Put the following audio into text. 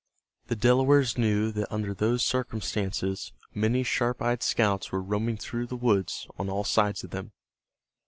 The Delawares knew that under those circumstances many sharp eyed scouts were roaming through the woods on all sides of them.